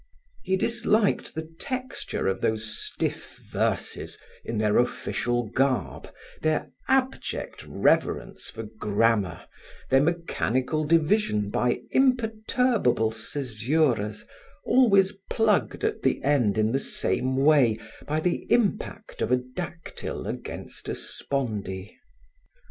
He disliked the texture of those stiff verses, in their official garb, their abject reverence for grammar, their mechanical division by imperturbable caesuras, always plugged at the end in the same way by the impact of a dactyl against a spondee.